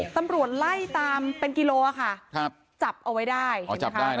ตำรวจไล่ตามเป็นกิโลค่ะครับจับเอาไว้ได้อ๋อจับได้นะ